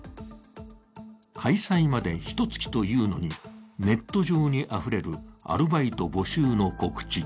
開催までひとつきというのにネット上にあふれるアルバイト募集の告知。